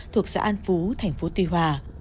thuộc xã an phú thành phố tuy hòa